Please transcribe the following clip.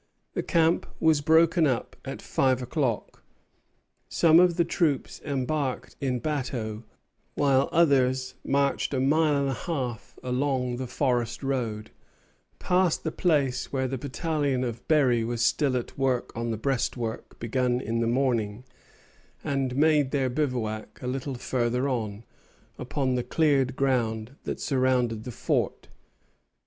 The camp was broken up at five o'clock. Some of the troops embarked in bateaux, while others marched a mile and a half along the forest road, passed the place where the battalion of Berry was still at work on the breastwork begun in the morning, and made their bivouac a little farther on, upon the cleared ground that surrounded the fort. Pouchot, I.